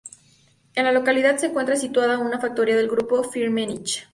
En la localidad se encuentra situada una factoría del grupo Firmenich.